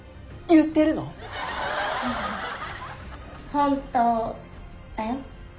本当だよ。